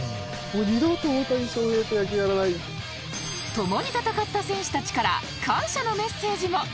共に戦った選手たちから感謝のメッセージも